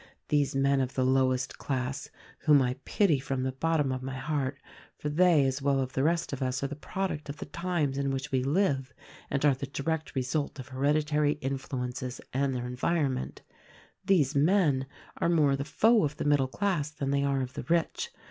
These men of the lowest class (whom I pity from the bottom of my heart, for they, as well as the rest of us, are the product of the times in which we live and are the direct result of hereditary influences and their environment —) these men, are more the foe of the middle class than they are of the rich.